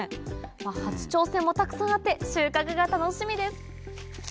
初挑戦もたくさんあって収穫が楽しみです